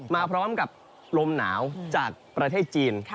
มาพร้อมกับลมหนาวจากประเทศจีน